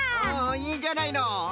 いいじゃないの！